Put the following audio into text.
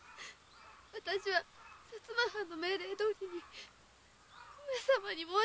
私は薩摩藩の命令どおりに上様に申しあげてしまったの。